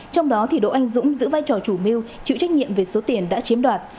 trong đó đỗ anh dũng giữ vai trò chủ mưu chịu trách nhiệm về số tiền đã chiếm đoạt